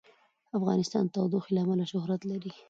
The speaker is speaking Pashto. افغانستان د تودوخه له امله شهرت لري.